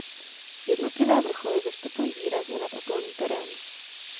Jednotlivé vrcholy vystupují výrazně nad okolní terén.